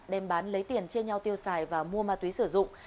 đem bán lấy tiền chia nhau tiêu xài và mua ma túy sử dụng